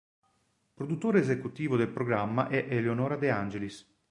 Produttore esecutivo del programma è Eleonora De Angelis.